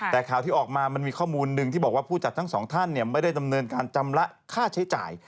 แต่ข่าวที่ออกมามันมีข้อมูลหนึ่งที่บอกว่าผู้จัดทั้งสองท่านไม่ได้ดำเนินการจำละค่าใช้จ่าย